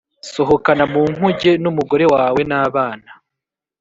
Sohokana mu nkuge n umugore wawe n abana